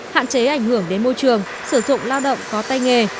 hạn chế ảnh hưởng đến môi trường sử dụng lao động có tay nghề